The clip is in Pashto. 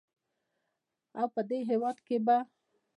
او په دې هېواد کې به